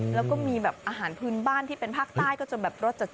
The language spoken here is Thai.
แล้วก็มีแบบอาหารพื้นบ้านที่เป็นภาคใต้ก็จนแบบรสจัด